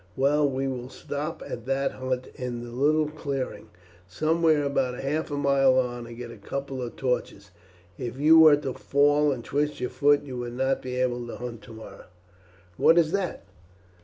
"Well we will stop at that hut in the little clearing, somewhere about half a mile on, and get a couple of torches. If you were to fall and twist your foot you would not be able to hunt tomorrow." "What is that?"